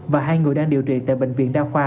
và hai người đang điều trị tại bệnh viện đa khoa